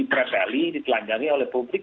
iprah sekali ditelanjani oleh publik